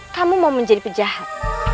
kamu mau menjadi pejahat